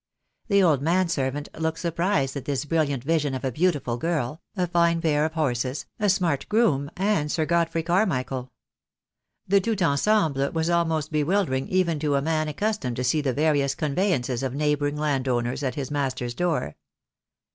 The old man servant looked surprised at this brilliant vision of a beautiful girl, a fine pair of horses, a smart groom, and Sir Godfrey Carmichael. The tout ensemble THE DAY WILL COME. 6 I was almost bewildering even to a man accustomed to see the various conveyances of neighbouring landowners at his master's door.